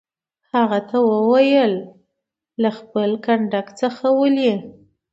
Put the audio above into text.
هغه ته وویل: له خپل کنډک څخه ولې.